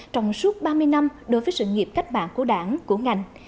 trong suốt ba mươi năm đối với sự nghiệp cách mạng của đảng của ngành